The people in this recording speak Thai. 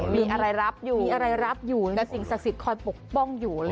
มีอะไรรับอยู่มีอะไรรับอยู่แล้วกับสิ่งสุขศักดิ์ของปกป้องอยู่เลยนะ